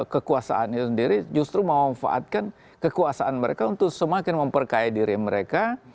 karena kita punya akses kekuasaan itu sendiri justru memanfaatkan kekuasaan mereka untuk semakin memperkaya diri mereka